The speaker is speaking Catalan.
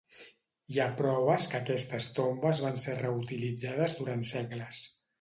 Hi ha proves que aquestes tombes van ser reutilitzades durant segles.